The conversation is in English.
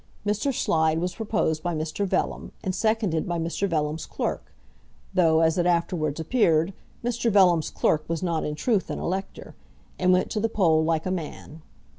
Mr. Slide was proposed by Mr. Vellum, and seconded by Mr. Vellum's clerk, though, as it afterwards appeared, Mr. Vellum's clerk was not in truth an elector, and went to the poll like a man.